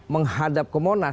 menghadap ke monas